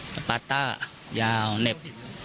สปาต้ายาวเหน็บ